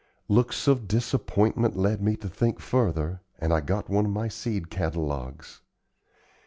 Looks of disappointment led me to think further and I got one of my seed catalogues.